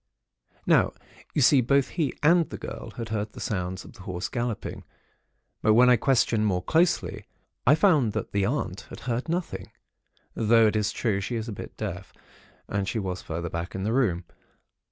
"Now, you see, both he and the girl had heard the sounds of the horse galloping; but when I questioned more closely, I found that the aunt had heard nothing; though, it is true, she is a bit deaf, and she was further back in the room.